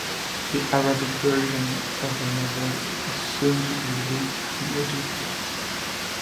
The Arabic version of the novel is soon to be released in Egypt.